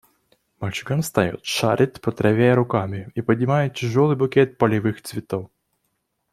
Мальчуган встает, шарит по траве руками и поднимает тяжелый букет полевых цветов.